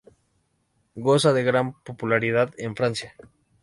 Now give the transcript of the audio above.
Goza de gran popularidad en Francia.